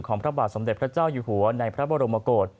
ของพระบาทสำเด็จพระเจ้าหญิงอยู่หัวในพระบรมกต